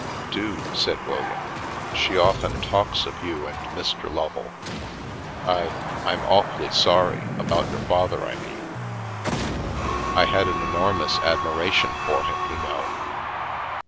" Do," said William. " She often talks of you and Mr. Lovel. I — I'm awfully sorry — about your father, I mean. I had an enormous admiration for him, you know.